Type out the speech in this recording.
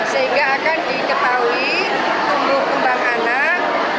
sehingga akan diketahui tumbuh kembang anak